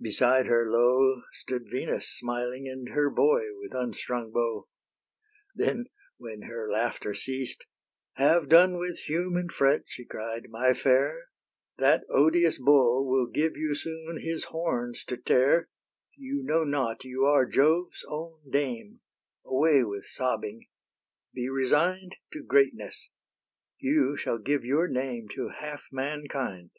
'" Beside her, lo! Stood Venus smiling, and her boy With unstrung bow. Then, when her laughter ceased, "Have done With fume and fret," she cried, "my fair; That odious bull will give you soon His horns to tear. You know not you are Jove's own dame: Away with sobbing; be resign'd To greatness: you shall give your name To half mankind."